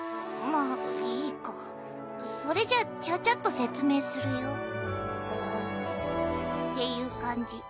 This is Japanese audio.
まあいいかそれじゃちゃちゃっと説明するよっていう感じ。